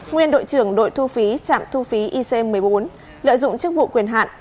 nguyên đội trưởng đội thu phí trạm thu phí ic một mươi bốn lợi dụng chức vụ quyền hạn